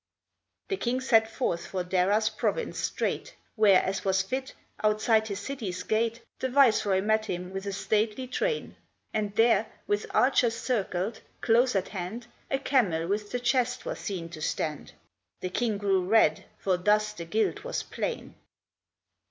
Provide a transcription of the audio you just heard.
The king set forth for Dara's province straight, Where, as was fit, outside his city's gate The viceroy met him with a stately train; And there, with archers circled, close at hand, A camel with the chest was seen to stand, The king grew red, for thus the guilt was plain.